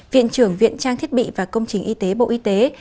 viện trưởng viện trang thiết bị và công trình y tế bộ y tế